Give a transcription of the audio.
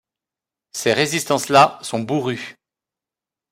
Ces résistances-là sont bourrues.